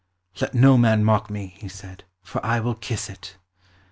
"Let no man mock me," he said, "for I will kiss it."